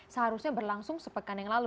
seharusnya berlangsung sepekan yang lalu